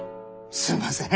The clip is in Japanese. すいません。